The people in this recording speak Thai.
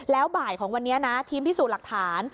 แล้วบ่ายของวันนี้นะทีมพิสูจน์หลักฐาน